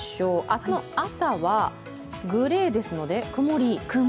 明日の朝はグレーですので曇り。